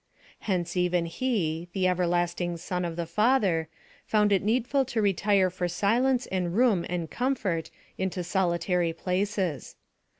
Hence even he, the everlasting Son of the Father, found it needful to retire for silence and room and comfort into solitary places.